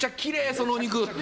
そのお肉！